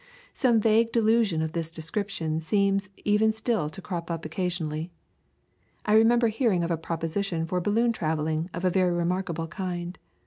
Some vague delusion of this description seems even still to crop up occasionally. I remember hearing of a proposition for balloon travelling of a very remarkable kind.